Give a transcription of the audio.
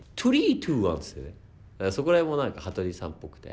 そこら辺も何か羽鳥さんっぽくて。